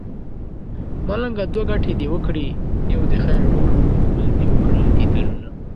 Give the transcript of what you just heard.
ملنګه دوه ګټې دې وکړې يو دې خير ټول کړو بل دې وکړل ديدنونه